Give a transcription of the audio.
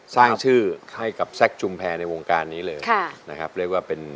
สร้างชื่อให้กับแซข์ชุมแพร่ในวงการนี้เลย